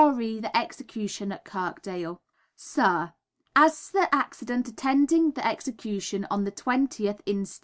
_ Re the Execution at Kirkdale. Sir, As the accident attending the execution on the 20th inst.